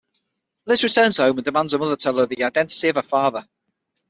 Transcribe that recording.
Liz returns home, and demands her mother tell her the identity of her father.